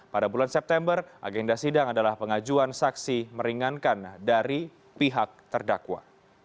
pada bulan september agenda sidang adalah pengajuan saksi meringankan dari pihak terdakwa